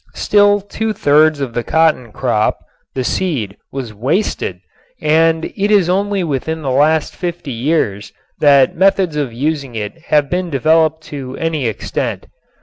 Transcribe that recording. Still two thirds of the cotton crop, the seed, was wasted and it is only within the last fifty years that methods of using it have been developed to any extent.